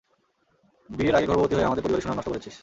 বিয়ের আগেই গর্ভবতী হয়ে আমাদের পরিবারের সুনাম নষ্ট করেছিস!